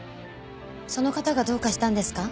その方がどうかしたんですか？